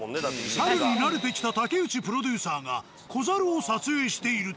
猿に慣れてきた竹内プロデューサーが子猿を撮影していると。